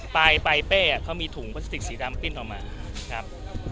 ปลายเป้เขามีถุงพลาสติกสีดำปิ้นออกมาครับ